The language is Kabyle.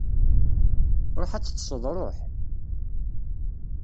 Ruḥ ad teṭṭseḍ, ruḥ!